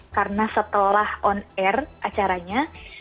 karena setelah on air acaranya